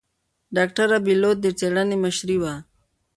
ډاکتره بېلوت د څېړنې مشرې وه.